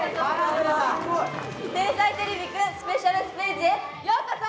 「天才てれびくんスペシャルステージ」へようこそ！